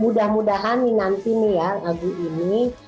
mudah mudahan nih nanti nih ya lagu ini